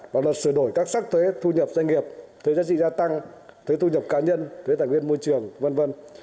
và luật sửa đổi các sắc thuế thu nhập doanh nghiệp thuế giá trị gia tăng thuế thu nhập cá nhân thuế tài nguyên môi trường v v